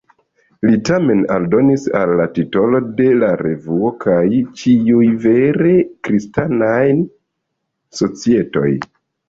Li tamen aldonis al la titolo de la revuo "kaj ĉiuj vere Kristanaj Societoj".